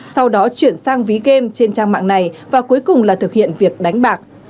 sau đó chuyển sang ví game trên trang mạng này và cuối cùng là thực hiện việc đánh bạc